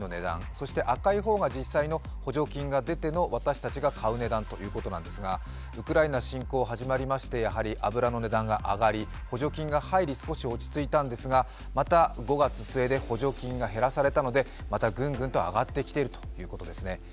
そして赤い方が実際の、補助金が出ての、私たちが買う値段ということなんですがウクライナ侵攻が始まりましてやはり油の値段が上がり、補助金が入り、少し落ち着いたんですが、また５月に補助金が減らされたのでまた、ぐんぐんと上がってきているということです。